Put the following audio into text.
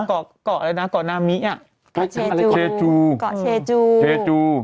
เกาะเกาะอะไรนะเกาะนามิอ่ะเชจูเกาะเชจูเชจู